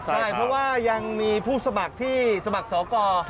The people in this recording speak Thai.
ใช่เพราะว่ายังมีผู้สมัครที่สมัครสอกร